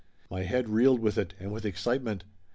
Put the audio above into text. My head reeled with it and with excitement.